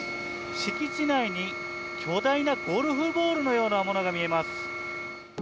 敷地内に巨大なゴルフボールのようなものが見えます。